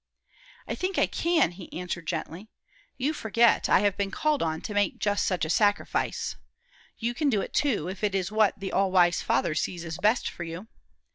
"I think I can," he answered, gently. "You forget I have been called on to make just such a sacrifice. You can do it, too, if it is what the All wise Father sees is best for you.